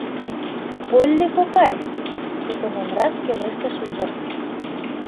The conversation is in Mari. Полли кокай! — тутыненрак пелештыш ӱдыр.